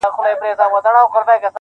ته پر ګرځه د باران حاجت یې نسته,